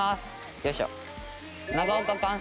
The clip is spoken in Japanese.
よいしょ。